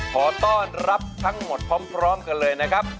ขอต้อนรับทั้งหมดพร้อมกันเลยนะครับ